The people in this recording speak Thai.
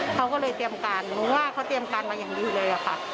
เขาก็เลยเตรียมการหนูว่าเขาเตรียมการมาอย่างดีเลยอะค่ะ